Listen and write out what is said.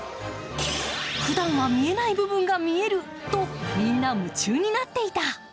ふだんは見えない部分が見えるとみんな夢中になっていた。